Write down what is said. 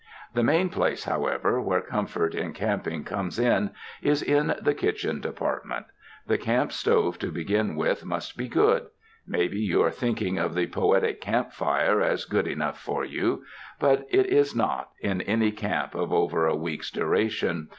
The main place, however, where comfort in camp ing comes in is in the kitchen department. The camp stove to begin with, must be good. Maybe you are thinking of the poetic camp fire as good enough for you; but it is not, in any camp of over a week's duration.